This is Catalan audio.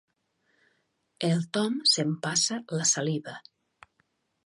El Tom s'empassa la saliva.